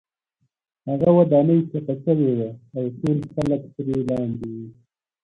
هغه ودانۍ چپه شوې وه او ټول خلک ترې لاندې وو